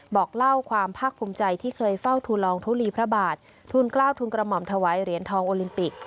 บอกเล่าความภาคภูมิใจที่เคยเฝ้าทุลองทุลีพระบาททูลกล้าวทุนกระหม่อมถวายเหรียญทองโอลิมปิก